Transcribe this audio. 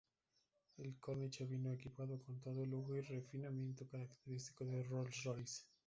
El Corniche vino equipado con todo el lujo y refinamiento característico de Rolls-Royce.